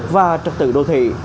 và trật tự đô thị